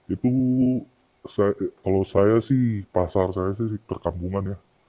itu kalau saya sih pasar saya sih perkampungan ya